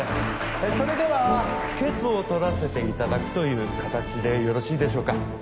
それでは決をとらせていただくという形でよろしいでしょうか？